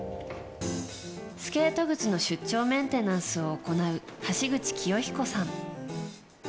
スケート靴の出張メンテナンスを行う橋口清彦さん。